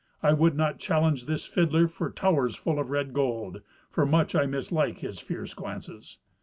I would not challenge this fiddler for towers full of red gold, for much I mislike his fierce glances.